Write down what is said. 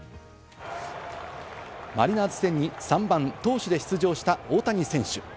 マリナーズ戦に３番・投手で出場した大谷選手。